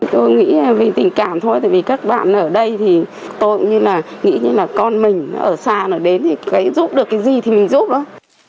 tôi nghĩ là vì tình cảm thôi vì các bạn ở đây thì tôi cũng như là nghĩ như là con mình ở xa nào đến thì giúp được cái gì thì mình giúp đó